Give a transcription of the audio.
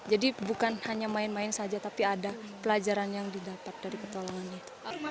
jadi bukan hanya main main saja tapi ada pelajaran yang didapat dari petualangannya